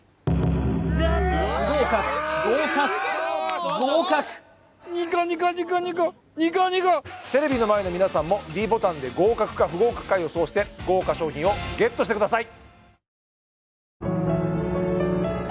不合格合格合格２個２個テレビの前の皆さんもｄボタンで合格か不合格か予想して豪華賞品をＧＥＴしてください